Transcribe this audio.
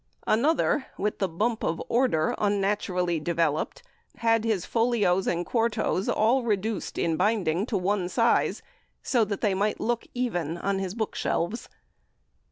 Another, with the bump of order unnaturally developed, had his folios and quartos all reduced, in binding, to one size, so that they might look even on his bookshelves."